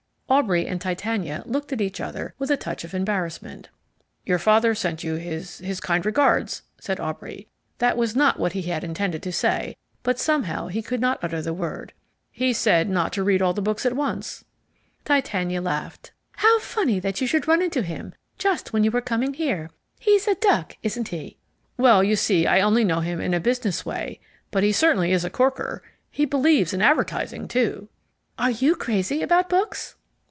Aubrey and Titania looked at each other with a touch of embarrassment. "Your father sent you his his kind regards," said Aubrey. That was not what he had intended to say, but somehow he could not utter the word. "He said not to read all the books at once." Titania laughed. "How funny that you should run into him just when you were coming here. He's a duck, isn't he?" "Well, you see I only know him in a business way, but he certainly is a corker. He believes in advertising, too." "Are you crazy about books?"